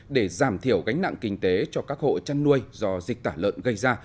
để giảm thiểu gánh nặng kinh tế cho các hộ chăn nuôi do dịch tả lợn gây ra